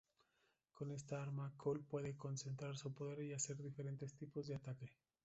Con esta arma, Cole puede concentrar su poder y hacer diferentes tipos de ataque.